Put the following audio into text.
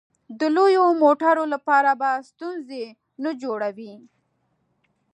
د لویو موټرو لپاره به ستونزې نه جوړوې.